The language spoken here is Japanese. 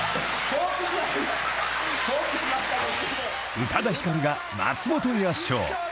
［宇多田ヒカルが松本に圧勝］